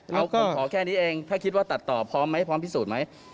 ขอแค่นี้เองถ้าคิดว่าตัดต่อพร้อมไหมพร้อมพิสูจน์ไหม